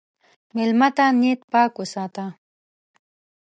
مېلمه ته نیت پاک وساته.